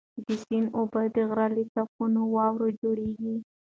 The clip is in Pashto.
د سیند اوبه د غره له سپینو واورو جوړېږي.